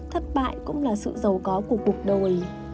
thất bại cũng là sự giàu có của cuộc đời